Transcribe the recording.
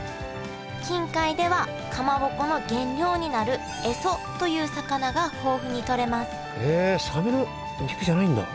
近海ではかまぼこの原料になるエソという魚が豊富にとれますへえ。